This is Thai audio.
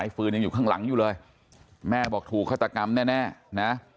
ฟืนยังอยู่ข้างหลังอยู่เลยแม่บอกถูกฆาตกรรมแน่นะ